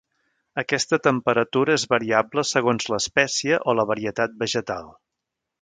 Aquesta temperatura és variable segons l'espècie o la varietat vegetal.